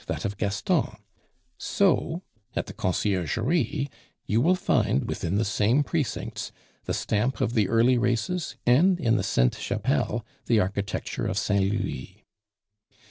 that of Gaston; so at the Conciergerie you will find within the same precincts the stamp of the early races, and, in the Sainte Chapelle, the architecture of Saint Louis.